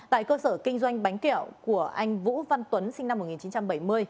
tại cơ sở kinh doanh bánh kẹo của anh vũ văn tuấn sinh năm một nghìn chín trăm bảy mươi